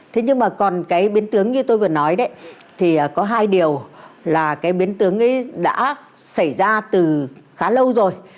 thế nhưng mà còn cái biến tướng như tôi vừa nói đấy thì có hai điều là cái biến tướng ấy đã xảy ra từ khá lâu rồi